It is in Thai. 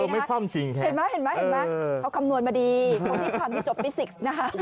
เออไม่พร่ำจริงแค่นั้นเอาคำนวณมาดีเพราะมีความที่จบฟิสิกส์นะคะ